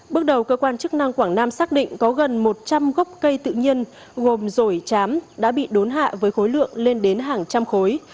bước đầu cơ quan chức năng quảng nam xác định có gần một trăm linh gốc cây tự nhiên gồm rổi chám đã bị đốn hạ với khối lượng lên đến hàng trăm khối